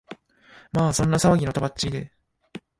まあそんな騒ぎの飛ばっちりで、